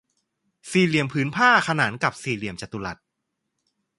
สี่เหลี่ยมผืนผ้าขนานกับสี่เหลี่ยมจัตุรัส